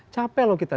capek loh kita